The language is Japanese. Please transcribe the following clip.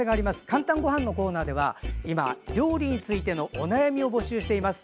「かんたんごはん」のコーナーでは今、料理についてのお悩みを募集しております。